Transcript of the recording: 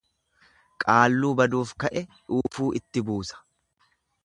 Qaalluu baduuf ka'e dhuufuu itti buusa.